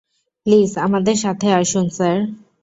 Please, আমাদের সাথে আসুন, স্যার!